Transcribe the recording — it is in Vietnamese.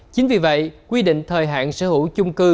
chính vì vậy quy định thời hạn sở hữu chung cư